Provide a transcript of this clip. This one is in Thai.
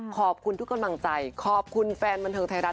ขอบคุณทุกกำลังใจขอบคุณแฟนบันเทิงไทยรัฐ